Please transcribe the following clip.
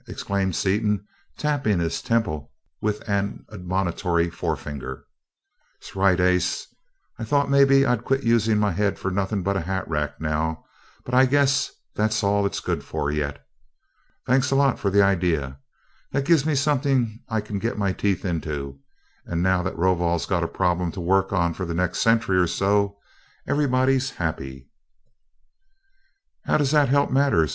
exclaimed Seaton, tapping his temple with an admonitory forefinger. "'Sright, ace I thought maybe I'd quit using my head for nothing but a hatrack now, but I guess that's all it's good for, yet. Thanks a lot for the idea that gives me something I can get my teeth into, and now that Rovol's got a problem to work on for the next century or so, everybody's happy." "How does that help matters?"